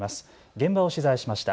現場を取材しました。